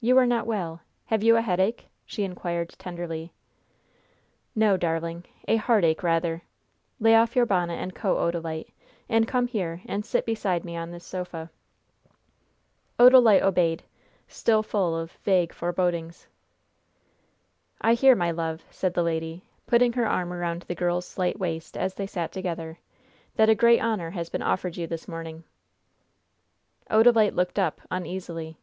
You are not well. Have you a headache?" she inquired, tenderly. "No, darling, a heartache, rather. Lay off your bonnet and coat, Odalite, and come here and sit beside me on this sofa." Odalite obeyed, still full of vague forebodings. "I hear, my love," said the lady, putting her arm around the girl's slight waist, as they sat together, "that a great honor has been offered you this morning." Odalite looked up, uneasily.